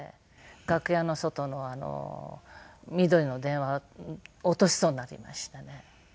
楽屋の外の緑の電話落としそうになりましたね。